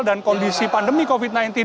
dan kondisi pandemi covid sembilan belas